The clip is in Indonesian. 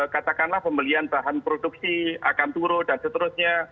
katakanlah pembelian bahan produksi akan turun dan seterusnya